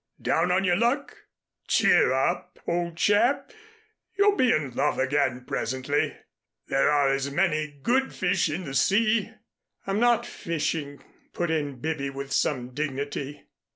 Down on your luck? Cheer up, old chap, you'll be in love again presently. There are as many good fish in the sea " "I'm not fishing," put in Bibby with some dignity.